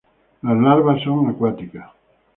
Las larvas son acuáticas.